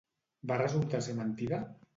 Va resultar ser mentida?